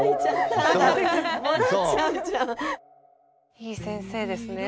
いい先生ですね。